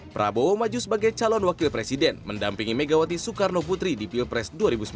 prabowo maju sebagai calon wakil presiden mendampingi megawati soekarno putri di pilpres dua ribu sembilan belas